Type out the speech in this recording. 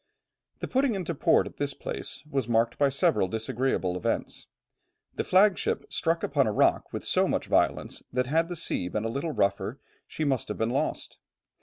The putting into port at this place was marked by several disagreeable events. The flag ship struck upon a rock with so much violence that had the sea been a little rougher, she must have been lost.